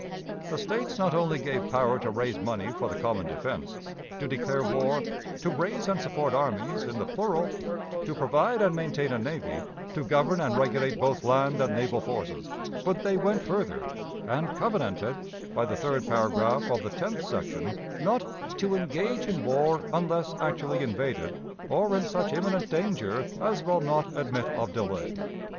The States not only gave power to raise money for the common defense, to declare war, to raise and support armies (in the plural), to provide and maintain a navy, to govern and regulate both land and naval forces, but they went further, and covenanted, by the third paragraph of the tenth section, not 'to engage in war, unless actually invaded, or in such imminent danger as will not admit of delay.'